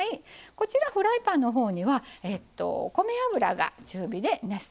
こちらフライパンのほうには米油が中火で熱されていますね。